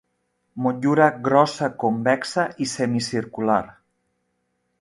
Motllura grossa convexa i semicircular.